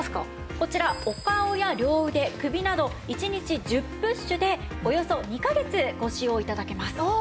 こちらお顔や両腕首など１日１０プッシュでおよそ２カ月ご使用頂けます。